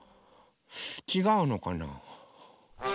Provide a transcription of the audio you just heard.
ちがうのかな。